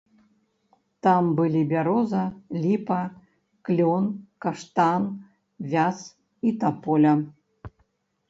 Там былі бяроза, ліпа, клён, каштан, вяз і таполя.